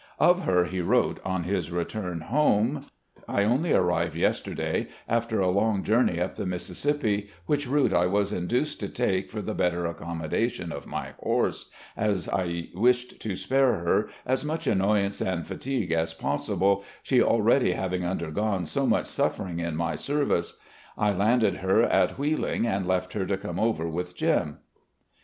Of her he wrote on his return home : 6 RECOLLECTIONS OF GENERAL LEE " I only arrived yesterday, after a long journey up the Mississippi, which route I was induced to take, for the better accommodation of my horse, as I wished to spare her as much annoyance and fatigue as possible, she already having tmdergone so much suffering in my service. I landed her at Wheeling and left her to come over with Jim."